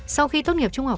sau khi tốt nghiệp trung học